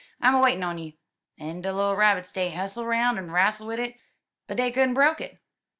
I'm a waitin' on you.' *'En de little Rabbits, dey hustle roun' en rastle wid it, but dey couldn't broke it.